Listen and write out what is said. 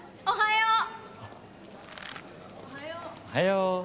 おはよう。